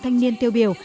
thanh niên tiêu biểu